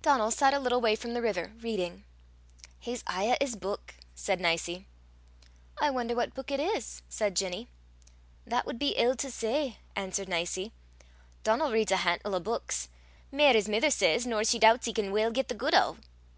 Donal sat a little way from the river, reading. "He's aye at 's buik!" said Nicie. "I wonder what book it is," said Ginny. "That wad be ill to say," answered Nicie. "Donal reads a hantle o' buiks mair, his mither says, nor she doobts he can weel get the guid o'."